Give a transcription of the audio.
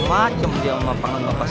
macem dia ngapain bapak santik